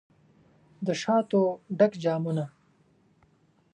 دشاتو ډک جامونه